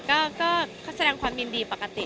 ก็เขาแสดงความยินดีปกติ